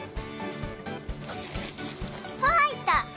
はいった！